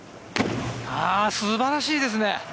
素晴らしいですね。